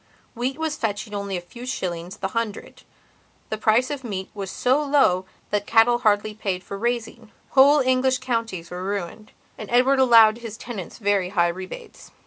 Wheat was fetching only a few shillings the hundred; the price of meat was so low that cattle hardly paid for raising; whole English counties were ruined. And Edward allowed his tenants very high rebates.